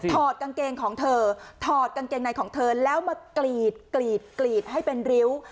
กางเกงของเธอถอดกางเกงในของเธอแล้วมากรีดกรีดกรีดให้เป็นริ้ว